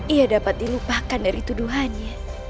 ia dapat dilupakan dari tuduhannya